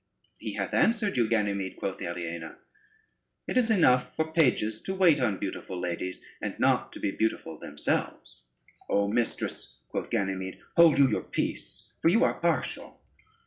"He hath answered you, Ganymede," quoth Aliena, "it is enough for pages to wait on beautiful ladies, and not to be beautiful themselves." "O mistress," quoth Ganymede, "hold you your peace, for you are partial.